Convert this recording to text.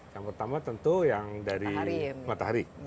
yang pertama tentu yang dari matahari